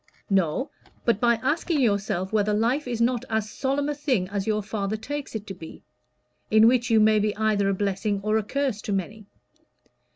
"No; but by asking yourself whether life is not as solemn a thing as your father takes it to be in which you may be either a blessing or a curse to many.